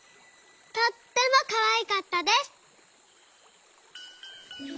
とってもかわいかったです」。